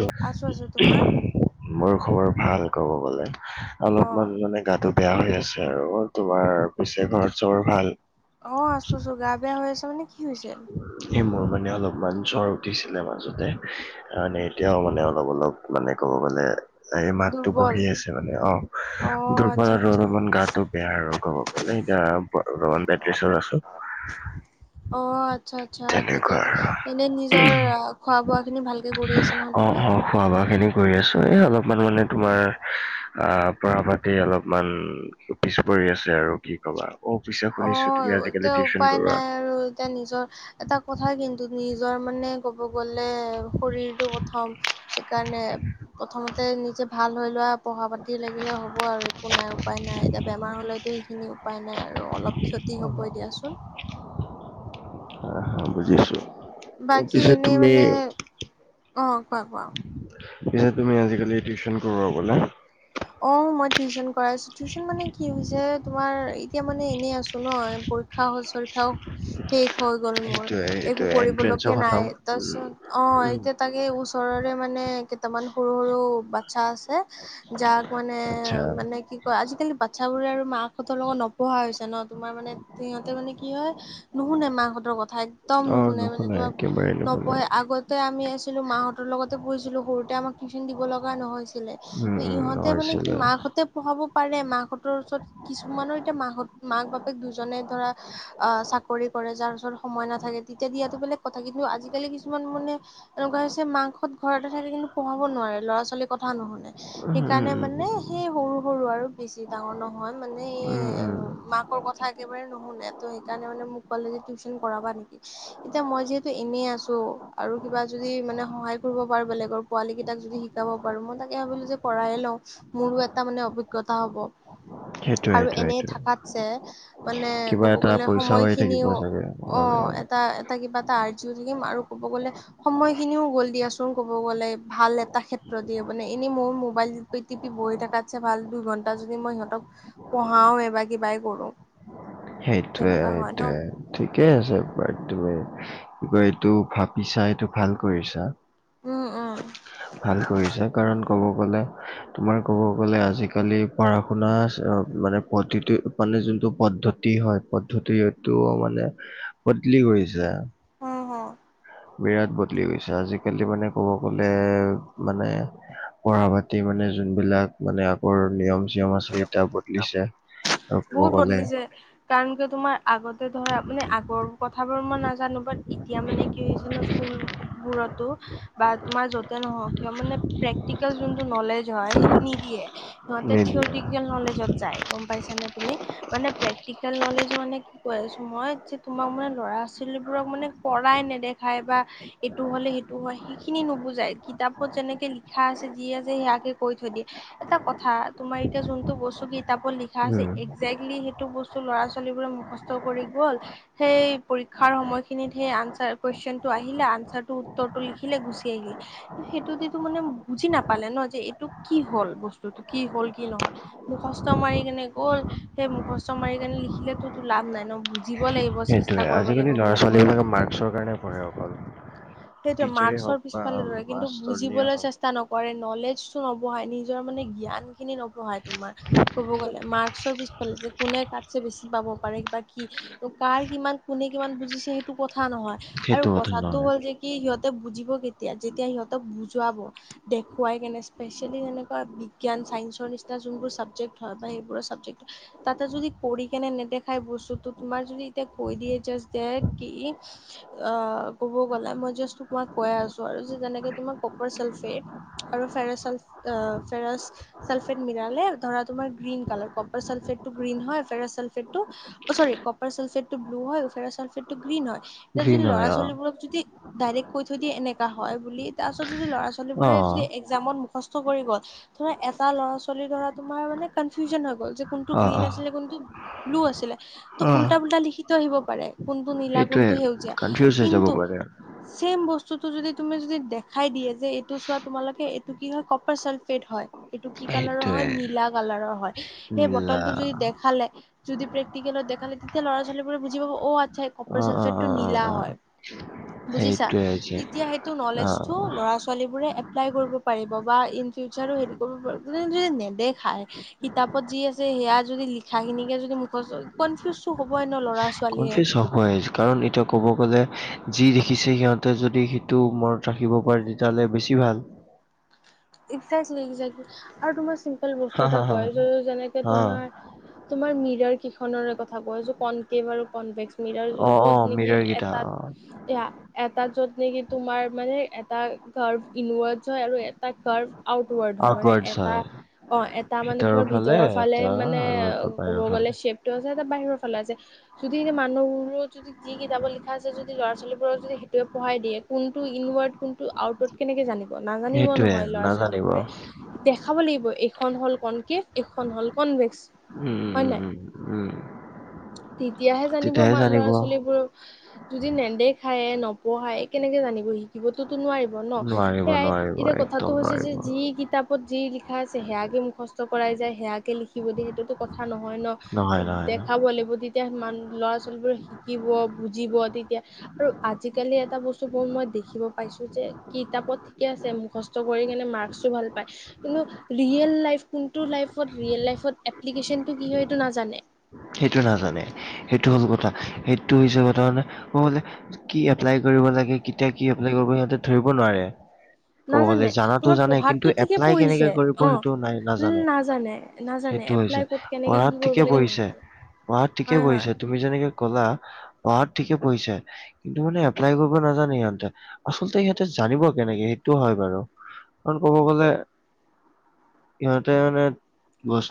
অ আছো আছো তোমাৰ মোৰ খবৰ ভাল কব গলে। অ অলপমান মানে গাটো বেয়া হৈ আছে আৰু তোমাৰ পিছে ঘৰ চৰ ভাল। অঁ আছো চো গা বেয়া হৈ আছে মানে কি? হৈছে এই মোৰ মানে অলপমান জ্বৰ উঠিছিলে মাজতে। মানে এতিয়াও মানে অলপ অলপ মানে ক'ব গলে। এই মাতটো দুৰ্বল বহি আছে মানে অঁ অ তোৰপাল আচ্ছা আৰু আচ্ছা অলপমান গাটো বেয়া আৰু গ লেতিয়া ৰমান বেটিছত আছো। অত। আৎচ্ছা আৎচ্ছা তেনেকুৱা ঠিকে আৰু আছে এনেই নিজৰ খোৱা বোৱা খিনি ভালকে কৰি আছা নহয় অ তুমি। অ খোৱা বোৱাখিনি কৰি আছো এই অলপমান মানে তোমাৰ পৰা পাতি অলপমান পিছ পৰি আছে আৰু কি কবা অ পিছে অ শুনিছো তুমি আজিকালি এতিয়া টিউশচন উপায় কৰোৱা। নাই আৰু এতিয়া নিজৰ এটা কথা কিন্তু নিজৰ মানে কব গলে শৰীৰটো প্ৰথম সেইকাৰণে প্ৰথমতে নিজে ভাল হৈ লোৱা পঢ়া পাতি লাগিলে হ'ব আৰু একো নাই উপায় নাই এতিয়া বেমাৰ হ'লেতো সেইখিনি উপায় নাই আৰু। আৰু অলপ ক্ষতি হ'বই দিয়াচোন। আহ হা বুজি পাইছোঁ। বাকী পিছে এনেই তুমি মানে অ কোৱা কোৱা পিছে তুমি আজিকালি টিউশ্যন কৰো বোলা? অ মই টিউশচন কৰাই আছো টিউশচন মানে কি হৈছে তোমাৰ এতিয়া মানে এনেই আছো ন পৰীক্ষা সচ- [inaudible] শেষ হৈ গ'ল মোৰ সেইটোয়ে একো সেইটোয়ে এন্ট্ৰেঞ্চো কৰিবলকীয়া খতম নাই উম তাৰছত অ উম এতিয়া তাকে ওচৰৰে মানে কেইটামান সৰু সৰু বাচ্ছা আছে যাক মানে আচ্ছা মানে কি কয় আজিকালি বাচ্ছাবোৰে আৰু মাকাহঁতৰ লগত নপঢ়া হৈছে ন তোমাৰ মানে সিহঁতে মানে কি হয় নুশুনে মাহঁতৰ কথা একদম অ নুশুনে মানে নুশুনাই তোমাপ একেবাৰে নুশুনাই নপঢ়ে আগত তে আমি আছিলো মাহঁতৰ লগতে পঢ়িছিলো সৰুতে আমাক টিউচন দিব লগা নহয়ছি- উম উম হৈছিলে। তে পঢ়াব পাৰে মাহঁতৰ ওচৰত কিছুমানৰ এতিয়া মাহত মাক বাপেক দুজনে ধৰা আহ চাকৰি কৰে যাৰ ওচৰত সময় নাথাকে। তিত- তে দিয়াটো বেলেগ কথা কিন্তু আজিকালি কিছুমান মানে এনেকুৱা হৈছে মাকহত ঘৰতে থাকে কিন্তু পঢ়াব নোৱাৰে ল'ৰা-ছোৱালীয়ে কথা নুশুনে। উম সেকাণে উম মানে উম সেই সৰু সৰু আৰু বেছি ডাঙৰ নহয় মানে এই উম উম মাক কথা একেবাৰে নুশুনে ত সেকাণে মানে মোক কলেজে টিউশচন কৰাবা নেকি? এতিয়া মই যিহেতু এনেই আছো আৰু কিবা যদি মানে সহায় কৰিব পাৰো বেলেগৰ পোৱালি কেইটাক যদি শি- শিকাব পাৰো মই তাকে ভাবিলো যে পঢ়ে লওঁ মোৰো এটা মানে অভিজ্ঞতা হব। সেইটোয়ে আৰু সেইটোয়ে এনেই সেইটোয়ে থাকাত যে মানে কিবা ক'ব এটা গ'লে পইচাও আহি থাকিব সময়খিনিও চাগে অ এটা এটা কিবা এটা আৰ্জিও থাকিম আৰু ক'ব গ'লে সময় খিনিও গ'ল দিয়াচোন কব গ'লে ভাল এটা ক্ষেত্ৰ দিয়ে মানে এনেই ময়ো মোব- মোবাইল টি পি বহি থকাতছে ভাল দুই ঘণ্টা যদি মই সিহঁতক পঢ়াও এবা কিবাই কৰোঁ। সেইটোৱে এইটোৱে ঠিকে আছে বাৰ্ট তুমি কি কয় এইটো ভাবিছা এইটো ভাল কৰিছা। উম অ। ভাল কৰিছে কাৰণ ক'ব গ'লে তোমাৰ ক'ব গ'লে আজিকালি পঢ়া শুনা মানে প্ৰতিটো মানে যোনটো পদ্ধতি হয় পদ্ধতি হয়টো মানে বদলি কৰি যা অ হ। বিৰাট বদলি গৈছে আজিকালি মানে ক'ব গ'লে মানে পঢ়া পাতি মানে যোনবিলাক মানে আগৰ নিয়ম চিয়ম আছে এতিয়া বদলিছা। বহুত বদলি যায়। কাৰণ কি তোমাৰ আগতে ধৰা মানে আগৰ কথাবোৰ মই নাজানো বাট এতিয়া মানে কি হৈছে ন স্কুল বোৰতো বা তোমাৰ যতে নহওঁক কিয় প্ৰেকটিকেল যোনটো নলেজ হয় সেইটো নিদিয়ে সিহঁতে নিদিয়ে থিয়ৰিকেল নলেজত যায় গম পাইছানা তুমি মানে প্ৰেক্টিকেল নলেজ মানে কি কৈ আছো মই যে তোমাক মানে ল'ৰা ছোৱালীবোৰক মানে পঢ়াই নেদেখায় বা এইটো হ'লে সেইটো হয় সেইখিনি নুবুজাই কিতাপত যেনেকে লিখা আছে যি আছে সেয়াকে কৈ থৈ দিয়ে। এটা কথা তোমাৰ এতিয়া যোনটো বস্তু কিতাপৰ লিখা আছে উম একজেক্টলি সেইটো বস্তু ল'ৰা-ছোৱালীবোৰে মুখস্থ কৰি গ'ল সেই পৰীক্ষাৰ সময়খিনিত সেই আনচাৰ কুৱেশনটো আহিলে, আনচাৰটো উত্তৰটো লিখিলে, গুচি আহিলে। সেইটো যিটো মানে বুজি নাপালে ন যে এইটো কি হল বস্তুটো, কি হল কি নহল। মুখষ্ট মাৰি কেনে গ'ল সেই মুখষ্ট মাৰি কেনে লিখিলেতো লাভ নাই ন, বুজিব লাগিব চ সেইটোয়ে আজি-কালি ল'ৰা-ছোৱালীবিলাকে মাৰ্কছৰ কাৰণে পঢ়ে অক সেইটোৱে মাৰ্কছৰ বা পিছফালে দৰে কিন্তু মাষ্টৰনীয়ে হওক বুজিবলৈ চেষ্ট টা নকৰে, নলেজটো নবঢহায় নিজৰ মানে জ্ঞান খিনি নবঢ়ায় তোমাৰ ক'ব গ'লে মাৰ্কচৰ পিছফালে যে কোনে কাতচে বেছি পাব পাৰে বা কি কাৰ কিমান কোনে কিমান বুজিছে সেইটো কথা নহয় আৰু সেইটো কথা কথাটো নহয় হ'ল যে কি সিহঁতে বুজিব কেতিয়া যেতিয়া সিহঁতক বুজুৱাব। দেখুৱাই কেনে স্পেচিয়েলি যেনেকুৱা বিজ্ঞান চাইন্সৰ নিচিনা যোনবোৰ চাবজেক্ট হয় বা সেইবোৰৰ চাবজেক্ট তাতে যদি কৰি কেনে নেদেখাই বস্তুটো তোমাৰ যদি এতিয়া কৈ দিয়ে জাষ্ট দেট কি' অ কব গলে মই জাষ্ট তোমাক কৈ আছো আৰু যেনেকে তোমাৰ কপাৰ ছালফেট আৰু ফেৰচল অ ফেৰাচ চালফেট মিলালে ধৰা তোমাৰ গ্ৰীণ কালাৰ কপাৰ চালফেট টো গ্ৰীণ হয়, ফেৰাছ ছালফেটটো অ চৰি কপাৰ ছালফেট টো ব্লু হয় ফেৰাছ ছালফেট টো গ্ৰীণ হয়, এতিয়া ঘৃণ যদি হয় অ ল'ৰা-ছোৱালীবোৰক যদি ডাইৰেক্ট কৈ থৈ দিয়ে এনেকা হয় বুলি তাৰপিছত যদি অ ল'ৰা-ছোৱালীবোৰে যদি একজা জামত‌ মুখস্থ কৰিব, ধৰা এটা ল'ৰা-ছোৱালী ধৰা তোমাৰ মানে কনফিউজন হৈ গ'ল যে কোনটো অ অ গ্ৰীণ আছিলে কোনটো ব্লু আছিলে, অ ত' উল্টা-পুল্টা লিখিতৈ আহিব পাৰে কোনটো নীলা সেইটোৱে কুনটো সেউজীয়া কনফিউজ হৈ যাব কিন্তু পাৰে চেম বস্তুটো যদি তুমি যদি দেখাই দিয়ে যে এইটো চোৱা তোমালোকে এইটো কি হয় কপাৰ চালফেট হয় এইটো কি কালাৰৰ হয় সেইটোৱে নীলা কালাৰৰ হয়, সেই মিলা বটলটো যদি দেখালে যদি প্ৰেকটিকেলত দেখালে তেতিয়া ল'ৰা ছোৱালীবোৰে বুজি পাব অ আচ্ছা এই অ কপাৰ অ চালফেট টো অ অ নীলা অ হয় বুজিছা সেইটোৱে হৈছে তেতিয়া সেইটো অ নলেজটো ল'ৰা ছোৱালীবোৰে এপ্লাই কৰিব পাৰিব বা ইন ফিউচাৰো হেৰি কৰিব পাৰিব য যদি নেদেখায় কিতাপত যি আছে সেয়া যদি লিখা খিনিকে যদি মুখচ, কনফিউজটো হ'বই ন ল'ৰা ছোৱালীয়ে কনফিউজ হয় কাৰণ এতিয়া ক'ব গ'লে যি দেখিছে সিহঁতে যদি সেইটো ম ৰাখিব পাৰে তেতিয়াহ'লে বেছি ভাল আৰু তোমাৰ চিম্পল হা বস্তু এটা হা হা কয় যে যেনেকে হা তোমাৰ তোমাৰ মিৰৰ কেইখনৰে কথা কয় যে কনকেভ আৰু কনভেক্স মিৰৰ অ অ য'ত নেকি মিৰৰ কেইটা অ এটাত এয়া এটা য'ত নেকি তোমাৰ মানে এটা গাৰ্ভ ইনৱাৰ্ডচ হয় আৰু এটা কাৰ্ভ আউটৱাৰ্ড হয় মানে আউটৱাৰ্ডছ এটা হয় অ এটা মানে ভিতৰৰ তোমাৰ ভিতৰৰ ফালে এটা মানে আৰু এটা ক'ব বাহিৰৰ গ'লে ফালে চেপ আছে এটা বাহিৰৰ ফালে আছে যদি এতিয়া মানুহবোৰৰ যদি যি কিতাপত লিখা আছে যদি ল'ৰা-ছোৱালীবোৰক যদি সেইটোৱে পঢ়াই দিয়ে, কোনটো ইনৱাৰ্ড কোনটো আউটৱাৰ্ড কেনেকে জানিব, নাজানিব সেইটোৱে নহয় ল'ৰা নাজানিব ছোৱালীবোৰে দেখাব লাগিব এইখন হ'ল কনকেভ, এইখন হল কনভেক্স। ওম হয় ওম নাই ওম, ওম তেতিয়াহে জানিব ম ল'ৰা-ছোৱালীবোৰক যদি নেদেখায়ে, নপঢ়ায় কেনেকে জানিব শিকিবতো'তো নোৱাৰিব ন নোৱাৰিব সেয়াই নোৱাৰিব এতিয়া কথা একদম নোৱাৰিব কিতাপত যি লিখা আছে সেয়াকে মুখস্থ কৰাই যায় সেয়াকে লিখি শিব দ সেইটোতো কথা নহয় ন, নহয় নহয় ন দেখাব লাগিব তেতিয়া মান ল'ৰা-ছোৱালীবোৰে শিকিব, বুজিব তেতিয়া আৰু আজি-কালি এটা বস্তু বোৰ মই দেখিব পাইছো যে কিতাপত ঠিকে আছে মুখ- স্থ কৰি কিনে মাৰ্কছটো ভাল পায় কিন্তু ৰিয়েল লাইফ কোনটো লাইত ৰিয়েল লাইফত এপ্লিকেচন টো কি হয় এইটো নাজানে সেইটো নাজানে সেইটো হ'ল কথা সেইটো হৈছে কথা মানে কব গ'লে কি এপ্লাই কৰিব লাগে, কেতিয়া কি এপ্লাই কৰিব লাগে সিহঁতে ধৰিব নোৱাৰে। কব গ'লে নাজানে জানাতো তোমাৰ জানে কিন্তু পঢ়াতটো ঠিকে এপ্লাই পঢ়িছে কেনেকে কৰিব অ সেইটো নাই নাজানে নাজানে সেইটো এপ্লাই হৈছে। ক'ত কেনেকে পঢ়াত কি কৰিব ঠিকে লাগে পঢ়িছে নাজানে পঢ়াত ঠিকে হয় হয় পঢ়িছে তুমি যেনেকে ক'লা পঢ়াত ঠিকে পঢ়িছে কিন্তু মানে এপ্লাই কৰিব নাজানে সিহঁতে আচলতে সিহঁতে জানিব কেনেকে সেইটো হয় বাৰু [unintelligible] কব গলে ইহঁতে মানে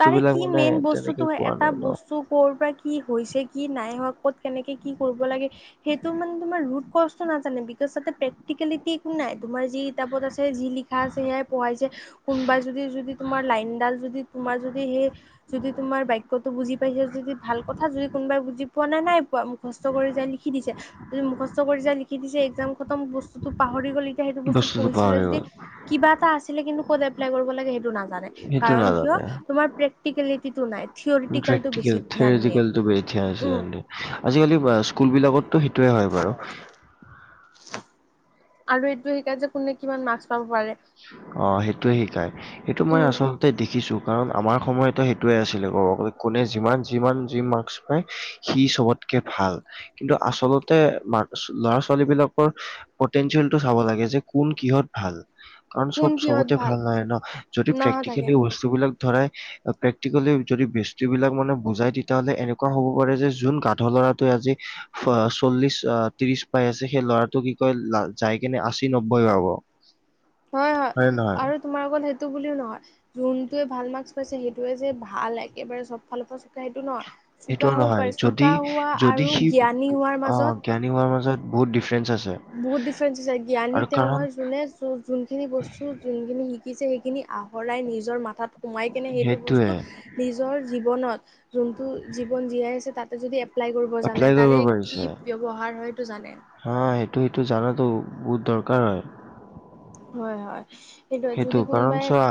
তাৰে কি মানে মেইন তেনেকে বস্তুটো হয় পোৱা এটা নাই ন। বস্তু ক'ৰ পৰা কি হৈছে, কি নাই হোৱা, ক'ত কেনেকে কি কৰিব লাগে সেইটো মানে তোমাৰ ৰোড ক্ৰচটো নাজানে বিকজ তাতে প্ৰেক্টিকেলিটি একো নাই তোমাৰ যি কিতাপত আছে যি লি- তাছত সেয়াই পঢ়াইছে কোনোবাই যদি যদি তোমাৰ লাইনডাল যদি তোমাৰ যদি সেই যদি তোমাৰ বাক্যটো বুজি পাইছে যদি ভাল কথা, যদি কোনোবাই বুজি পোৱা না নাই পোৱা মুখস্থ কৰি যাই লিখি দিছে যদি মুখস্থ কৰি যাই লিখি দিছে একজাম খতম বস্তুটো পাহৰি গ'ল এতিয়া সেইটো বস্তু বস্তুটো পঢ়িছিলে পাহৰি যদি গ'ল কিবা এটা আছিলে কিন্তু ক'ত এপ্লাই কৰিব লাগে সেইটো নাজানে। সেইটো কাৰণ কিয় নাজানে। তোমাৰ প্ৰেক্টিকেলিটিটো নাই। থিয়ৰিটিকেলটো বেছি প্ৰেটিকেল ধ্যান দিয়ে থেৰেজিকেলটো উম [unintelligible] আজি-কালি স্কুল বিলাকততো সেইটোৱে হয় বাৰু। আৰু এইটো শিকাই যে কোনে কিমান মাৰ্কছ পাব পাৰে অ সেইটোয়ে শিকাই সেইটো মই উম আচলতে দেখিছো। কাৰণ আমাৰ সময়তো সেইটোয়ে আছিলে ক'ব গ'লে কোনে যিমান যিমান যি মাৰ্কছ কি হয় সি চবতকে ভাল কিন্তু আচলতে মা ল'ৰা ছোৱালী বিলাকৰ পটেনঞ্চিয়েল টো চাব লাগে যে কোন কিহত ভাল কাৰণ কোন চব কিহত চবতে ভাল নহয় ন যদি নাহা থাকে প্ৰেক্টিকেলি বস্তুবিলাক ধৰাই প্ৰেক্টিকেলি যদি বেস্তি বিলাক মানে বুজাই তেতিয়াাহ'লে এনেকুৱা হ'ব পাৰে যে যোন গাধ ল'ৰাটোৱে আজি ফা চল্লিশ আহ ত্ৰিশ পাই আছে সেই ল'ৰাটো কি কয় যাই কেনে আশী, নব্বৈ পাব। হয় হয় হয়নে নহয় আৰু তোমাৰ অকল সেইটো বুলিও নহয় যোনটোৱে ভাল মাৰ্কছ পাইছে সেইটোৱে যে ভাল একেবাৰে চব ফালে ফাৰ্ষ্ট সেইটো নহয় সেইটো চোকা হ'ব নহয় পাৰে যদি চোকা হোৱা যদি আৰু সি জ্ঞানী হোৱাৰ অ মাজত ট্ৰেইনিঙৰ মাজত বহুত ডিফাৰেঞ্চ আছে। বহুত ডিফাৰেঞ্চ আছে জ্ঞানী আৰু তেওঁ কাৰণ হয় যোনে যো যোনখিনি বস্তু যোনখিনি শিকিছে সেইখিনি আহৰাই নিজৰ মাথাত সোমাই কিনে সেইটো সেইটোৱে বস্তু নিজৰ জীৱনত যোনটো জীৱন জীয়াই আছে তাতে যদি এপ্লাই কৰিব এপ্লাই জানে কৰিব তাৰে পাৰিছে কি ব্যৱহাৰ হয়টো জানে হা ইটো সিটো জানাতো বহুত দৰকাৰ হয়। হয় হয়। সেইটোৱে সেইটো যদি কাৰণ কোনোবাই চোৱা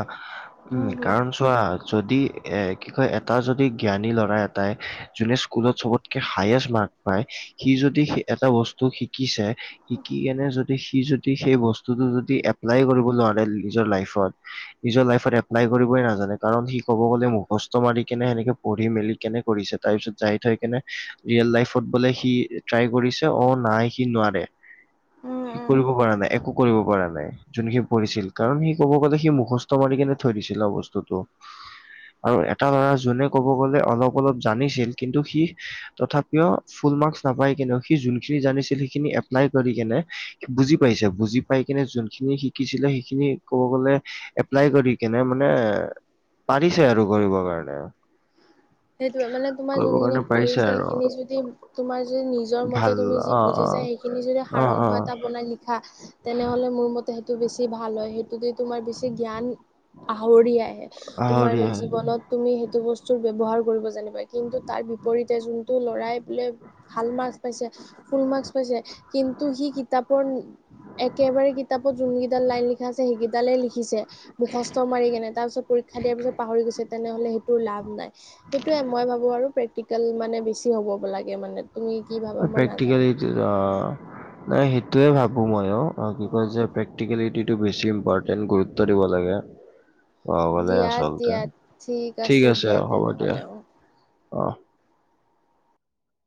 উম কাৰণ চো- চোৱা যদি এ কি কয় এটা যদি জ্ঞানী ল'ৰা এটাই যোনে স্কুলত চবতকে হায়েষ্ট মাৰ্ক পায় সি যদি এটা বস্তু শিকিছে শিকি কেনে যদি সি যদি সেই বস্তুটো যদি এপ্লাই কৰিব নোৱাৰে নিজৰ লাইফত নিজৰ লাইফত এপ্লাই কৰিবই নাজানে কাৰণ সি ক'ব গ'লে মুখস্থ মাৰি কেনে সেনেকে পঢ়ি মেলি কেনে কৰিছে তাৰ পিছত যাই থৈ কেনে ৰিয়েল লাইফত বোলে সি ট্ৰাই কৰিছে অ নাই সি নোৱাৰে উম, সি উম। কৰিব পৰা নাই একো কৰিব পৰা নাই যোনখিনি পঢ়িছিল কাৰণ সি ক'ব গ'লে সি মুখস্থ মাৰি কেনে থৈ দিছিলে অ বস্তুটো আৰু এটা ল'ৰা যোনে ক'ব গ'লে অলপ অলপ জানিছিল কিন্তু সি তথাপিও ফুল মাৰ্কচ নাপাই কিন্তু সি যোনখিনি জানিছিল সেইখিনি এপ্লাই কৰি কেনে বুজি পাইছে বুজি পাই কিনে যোনখিনি শিকিছিলে খিনি ক'ব গলে এপ্লাই কৰি কেনে মানে পাৰিছে আৰু কৰিবৰ কাৰণে সেইটোৱে মানে তোমাৰ কৰিবৰ যোনখিনি কাৰণে পাৰিছে পঢ়িছে আৰু সেইখিনি যদি তোমাৰ যদি নিজৰ মতে ভাল তুমি যি অ বুজি অ যাই সেই খিনি যদি অ সাৰ অ অংশ এটা বনাই লিখা তেনেহলে মোৰ মতে সেইটো বেছি ভাল হয় সেই যদি তোমাৰ বেছি জ্ঞান আহৰি আহে আহৰি তোমাৰ জীৱন ত তুমি সেইটো বস্তুৰ ব্যৱহাৰ কৰিব জানিবা কিন্তু তাৰ বিপৰীতে যোনটো লৰাই বোলে ভাল মাৰ্ক পাইছে ফুল মাৰ্ক পাইছে কিন্তু সি কিতাপৰ একেবাৰে কিতাপত যোনকেইদাল লাইন লিখা আছে সেইকেইডালেই লিখিছে মুখস্থ মাৰি কেনে তাৰ পিছত পৰীক্ষা দিয়াৰ পিছত পাহৰি গৈছে তেনেহলে সেইটোৰ লাভ নাই সেইটোয়ে মই ভাবো আৰু প্ৰেক্টিকেল মানে বেছি হ'ব লাগে মানে তুমি কি ভাবা মই প্ৰেক্টিকেল নাজানো এইটোৱে আও নাই সেইটোৱে ভাবো মইয়ো অ কি কয় যে প্ৰেক প্ৰেক্টিকেলিটিটো বেছি ইম্পৰ্টেন্ট গুৰুত্ব দিব লাগে অ গলে দিয়া আচলতে দিয়া ঠিক আছে দিয়া হ'ব দিয়া তেনেহ'লে অ অ